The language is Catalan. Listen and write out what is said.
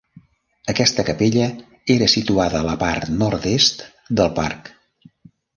Aquesta capella era situada a la part nord-est del parc.